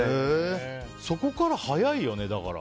そこから早いよね。